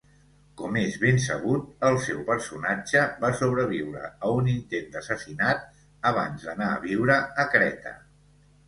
Com es ben sabut, el seu personatge va sobreviure a un intent d'assassinat abans d'anar a viure a Creta.